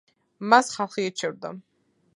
მას ხალხი ირჩევდა.